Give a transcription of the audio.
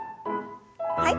はい。